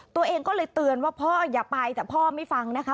ตัวเองก็เลยเตือนว่าพ่ออย่าไปแต่พ่อไม่ฟังนะคะ